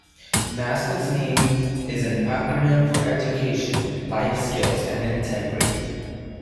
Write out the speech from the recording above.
The mascot's name is an acronym for education, lifeskills and integrity.